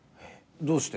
どうして？